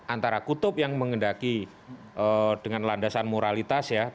antara kutub yang mengendaki dengan landasan moralitas ya